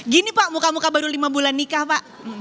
gini pak muka muka baru lima bulan nikah pak